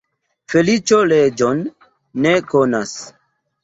Feliĉo leĝon ne konas.